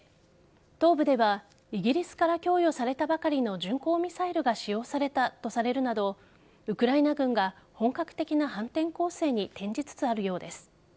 東部ではイギリスから供与されたばかりの巡航ミサイルが使用されたとされるなどウクライナ軍が本格的な反転攻勢に転じつつあるようです。